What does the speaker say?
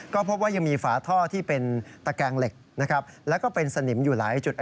ก็พบว่ายังมีฝาท่อที่เป็นตะแกงเหล็กนะครับแล้วก็เป็นสนิมอยู่หลายจุด